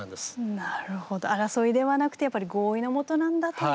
なるほど争いではなくてやっぱり合意の下なんだという。